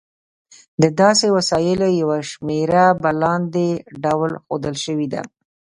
د داسې وسایلو یوه شمېره په لاندې ډول ښودل شوې ده.